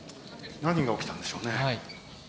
何が起きたんでしょうね？